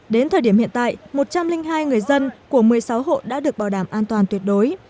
đến thời điểm hiện tại một trăm linh hai người dân của một mươi sáu hộ đã được bảo đảm an toàn tuyệt đối